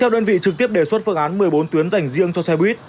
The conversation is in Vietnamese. nhiều đơn vị trực tiếp đề xuất phương án một mươi bốn tuyến dành riêng cho xe buýt